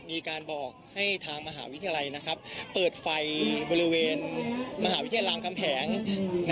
มีการบอกให้ทางมหาวิทยาลัยเปิดไฟบริเวณมหาวิทยาลำกำแหง